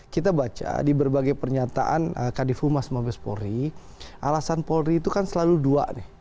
kita baca di berbagai pernyataan kadifu mas mabes polri alasan polri itu kan selalu dua nih